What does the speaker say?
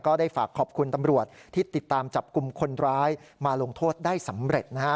ได้ฝากขอบคุณตำรวจที่ติดตามจับกลุ่มคนร้ายมาลงโทษได้สำเร็จนะฮะ